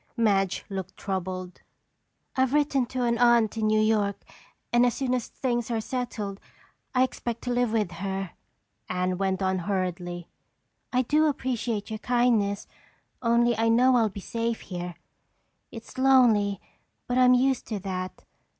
Madge looked troubled. "I've written to an aunt in New York and as soon as things are settled I expect to live with her," Anne went on hurriedly. "I do appreciate your kindness only I know I'll be safe here. It's lonely but I'm used to that.